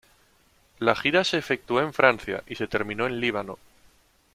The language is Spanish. La gira se efectuó en Francia y se terminó en Líbano.